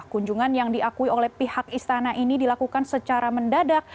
kunjungan yang diakui oleh pihak istana ini dilakukan secara mendadak